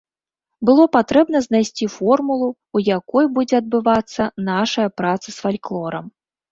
Было патрэбна знайсці формулу, у якой будзе адбывацца нашая праца з фальклорам.